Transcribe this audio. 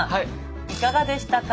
いかがでしたか？